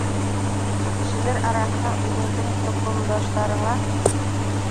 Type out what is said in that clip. Кешеләр араһына — үҙеңдең тоҡомдаштарыңа...